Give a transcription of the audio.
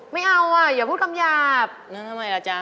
ไม่เอาอ่ะอย่าพูดคำหยาบแล้วทำไมล่ะจ๊ะ